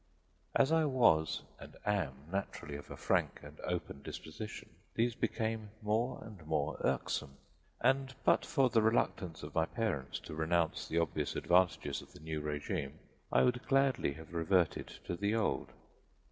As I was (and am) naturally of a frank and open disposition, these became more and more irksome, and but for the reluctance of my parents to renounce the obvious advantages of the new regime I would gladly have reverted to the old.